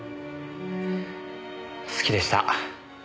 好きでした。